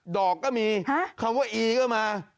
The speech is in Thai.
ดอกก็มีคำว่าอีก็มา